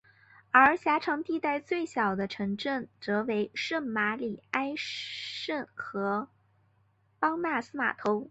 而狭长地带最小的城镇则为圣玛里埃什和邦纳斯码头。